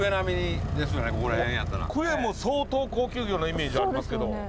クエも相当高級魚のイメージありますけど。